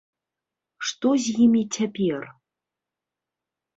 Што з імі цяпер?